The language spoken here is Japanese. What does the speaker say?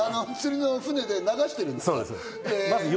釣りの船で流してるんですか？